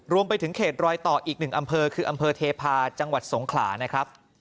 รวมไปถึงเขตรอยต่ออีกหนึ่งอำเภอคืออำเภอเทพาะจังหวัดสงขลานะครับ